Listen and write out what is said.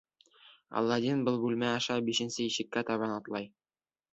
Аладдин был бүлмә аша бишенсе ишеккә табан атлай.